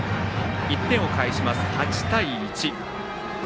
１点を返します、８対１。